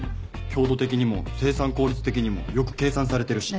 強度的にも生産効率的にもよく計算されてるし。